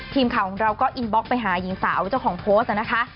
ทีมข่าวของเราก็อินบล็อกไปหาหญิงสาวเจ้าของโพสต์นะคะ